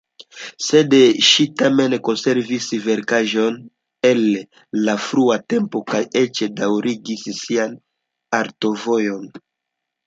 Sed ŝi tamen konservis verkaĵojn el la frua tempo kaj eĉ daŭrigis sian artovojon.